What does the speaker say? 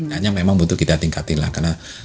hanya memang butuh kita tingkatin lah karena